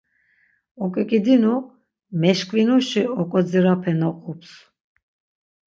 Oǩiǩidinu meşkvinuşi oǩodzirape noqups.